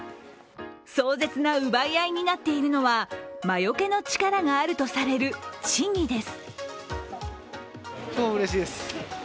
壮絶な奪い合いになっているのは魔よけの力があるとされる千木です。